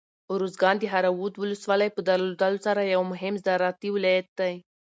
ارزګان د دهراود ولسوالۍ په درلودلو سره یو مهم زراعتي ولایت دی.